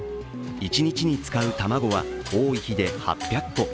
一日に使う卵は多い日で８００個。